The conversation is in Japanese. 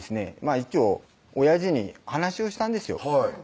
一応おやじに話をしたんですよ